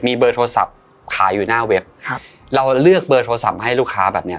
มีโทรศัพท์ขายอยู่หน้าเว็บเราเลือกโทรศัพท์ให้ลูกค้าแบบนี้